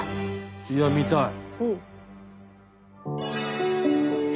いや見たい。